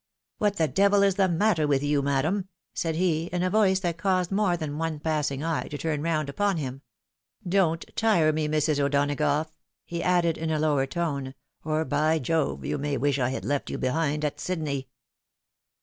A MAKITAl THREAT. 73 " What the devil is the matter with you, madam ?" said he, in a voice that caused more than one passing eye to turn round upon him. " Don't tire me, Mrs. O'Donagough," he added, in a lower tone, " or by Jove you may wish I had left you behind at Sydney."